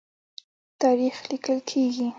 تاریخ لیکل کیږي.